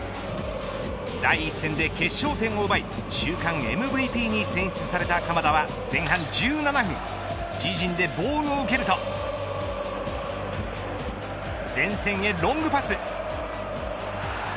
第１戦で決勝点を奪い週間ＭＶＰに選出された鎌田は前半１７分自陣でボールを蹴ると前線へロングパス。